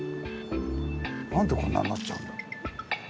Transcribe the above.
何でこんなになっちゃうんだ？